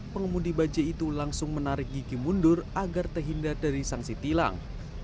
pengemudi bajai itu langsung menarik gigi mundur agar terhindar dari sanksi tilang